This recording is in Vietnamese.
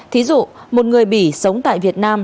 thí dụ một người bỉ sống tại việt nam